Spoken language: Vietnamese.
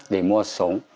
để mua sống